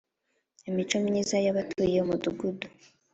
imico myiza y abatuye Umudugudu